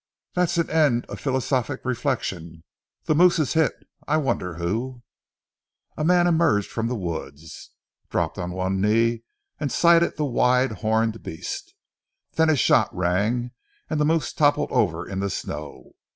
"There's an end of philosophic reflection. The moose is hit. I wonder who " A man emerged from the woods, dropped on one knee, and sighted the wide horned beast. Then his shot rang, and the moose toppled over in the snow.